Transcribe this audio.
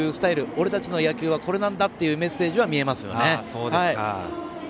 俺たちの野球はこれなんだというメッセージは見えますよね。